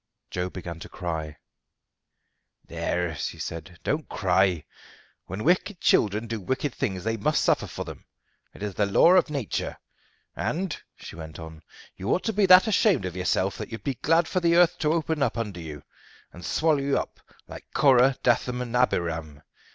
Joe began to cry. "There," she said, "don't cry. When wicked children do wicked things they must suffer for them. It is the law of nature. And," she went on, "you ought to be that ashamed of yourself that you'd be glad for the earth to open under you and swallow you up like Korah, Dathan, and Abiram.